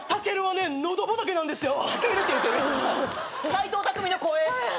斎藤工の声。